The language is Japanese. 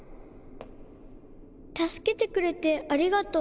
助けてくれてありがとう。